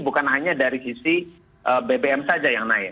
bukan hanya dari sisi bbm saja yang naik